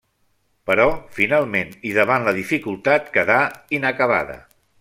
Però finalment i davant la dificultat quedà inacabada.